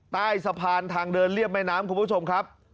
ใต้สะพานทางเดินเรียบแม่น้ำคุณผู้ชมครับ